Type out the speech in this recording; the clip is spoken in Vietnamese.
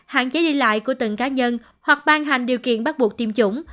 hạn chế đi lại của từng cá nhân hoặc ban hành điều kiện bắt buộc tiêm chủng